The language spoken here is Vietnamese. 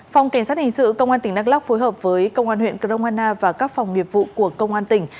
phòng cảnh sát hình sự công an tỉnh đắk lóc phối hợp với công an huyện cơ đông an na và các phòng nghiệp vụ của công an tỉnh